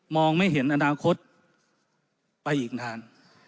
ไม่เห็นอนาคตไปอีกนาน